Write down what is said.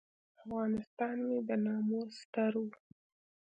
افغانستان مې د ناموس ستر و.